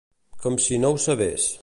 Com si no ho sabés.